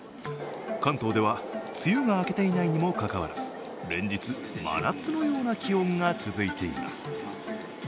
関東では、梅雨が明けていないにもかかわらず連日、真夏のような気温が続いています。